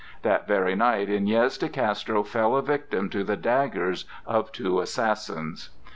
That very night Iñez de Castro fell a victim to the daggers of two assassins.